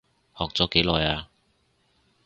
學咗幾耐啊？